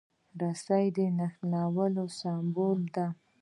رسۍ د نښلولو سمبول ده.